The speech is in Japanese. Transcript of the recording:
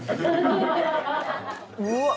うわっ！